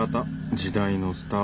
時代のスター。